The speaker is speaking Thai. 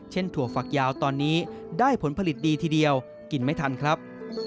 ถั่วฝักยาวตอนนี้ได้ผลผลิตดีทีเดียวกินไม่ทันครับ